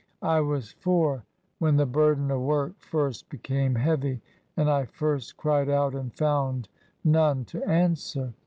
I was four when the burden o* work first became heavy and I first cried out and found none to answer.